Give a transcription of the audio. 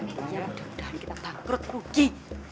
ya udah kita bangkrut rugi